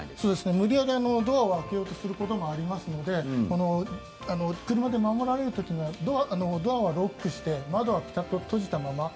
無理やりドアを開けようとすることもありますので車で守られる時にはドアはロックして窓はピタッと閉じたまま。